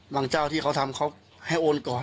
บางเจ้าที่เค้าทำเค้าให้โอนก่อน